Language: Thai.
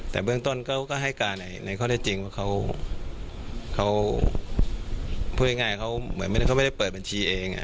แต่เบื้องต้นเขาก็ให้การในข้อได้จริงว่าเขาพูดง่ายเขาเหมือนเขาไม่ได้เปิดบัญชีเอง